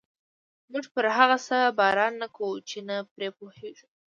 موږ پر هغه څه باور نه کوو چې نه پرې پوهېږو.